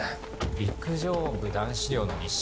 ・陸上部男子寮の日誌？